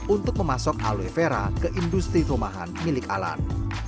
untuk memasok aloe vera ke industri rumahan milik alan